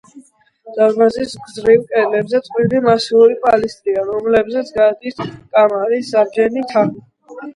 დარბაზის გრძივ კედლებზე წყვილი მასიური პილასტრია, რომლებზეც გადადის კამარის საბჯენი თაღი.